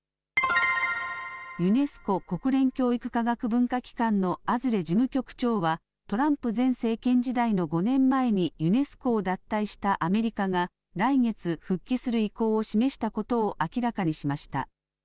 ユネスコ・国連教育科学文化機関のアズレ事務局長はトランプ前政権時代の５年前にユネスコを脱退したアメリカが来月復帰する意向を示したことを明らかにしました。